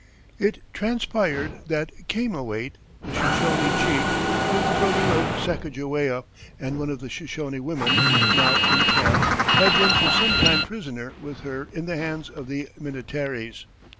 It transpired that Cameahwait, the Shoshone chief, was the brother of Sacajawea, and one of the Shoshone women, now in camp, had been for some time prisoner with her in the hands of the Minnetarees.